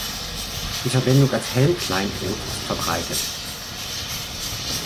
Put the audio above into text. Die Verwendung als Helmkleinod ist verbreitet.